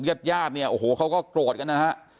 ปลูกเย็ดเนี่ยโอ้โหเขาก็กรดใช่แหะ